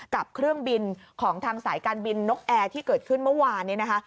กับเครื่องบินของทางสายการบินนกแอร์ที่เกิดขึ้นเมื่อวานนี้นะคะ